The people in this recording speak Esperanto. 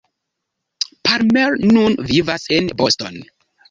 Palmer nun vivas en Boston.